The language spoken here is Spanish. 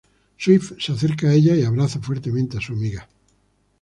Swift se acerca a ella y abraza fuertemente a su amiga.